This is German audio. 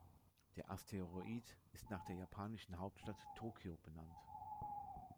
Der Asteroid ist nach der japanischen Hauptstadt Tokio benannt.